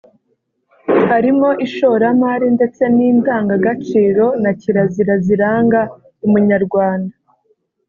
harimo ishoramari ndetse n’indanga gaciro na kirazira ziranga Umunyarwanda